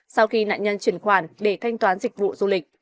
sau khi nạn nhân chuyển khoản để thanh toán dịch vụ du lịch